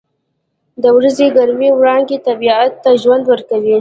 • د ورځې ګرمې وړانګې طبیعت ته ژوند ورکوي.